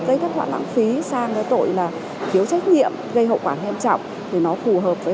cái kết quả lãng phí sang cái tội là thiếu trách nhiệm gây hậu quả hiểm trọng thì nó phù hợp với